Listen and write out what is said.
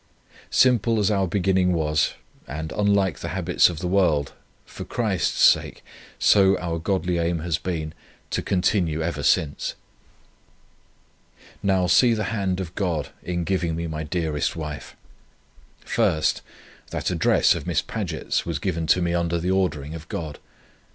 Simple as our beginning was, and unlike the habits of the world, for Christ's sake, so our Godly aim has been, to continue ever since. Now see the hand of God in giving me my dearest wife: 1st, that address of Miss Paget's was given to me under the ordering of God.